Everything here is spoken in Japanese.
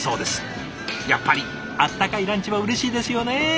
やっぱり温かいランチはうれしいですよね。